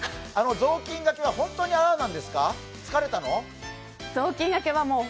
雑巾がけは本当にああです。